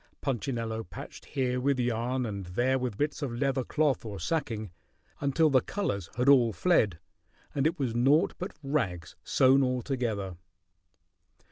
Punchinello patched here with yarn and there with bits of leather cloth or sacking, until the colors had all fled, and it was naught but rags sewn all together.